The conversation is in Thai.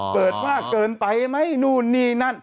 เกิดมากเกินไปไหมนู่นนี่นั่น